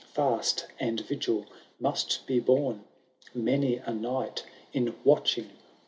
Fast and vigil must be borne. Many a night in watching won, Canto II.